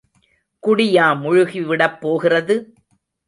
குடியா முழுகிவிடப் போகிறது?